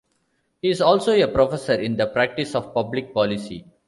He is also a Professor in the Practice of Public Policy.